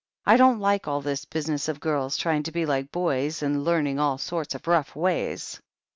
I don't like all this business of girls trying to be like boys, and learning all sorts of rough ways."